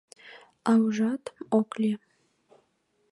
А ужат, ок лий.